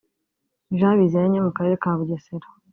Jean Biziyaremye wo mu Karere ka Bugesera